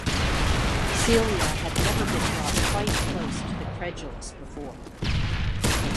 Celia had never been brought quite close to the credulous before.